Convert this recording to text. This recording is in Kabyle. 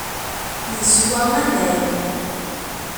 Yeswa aman.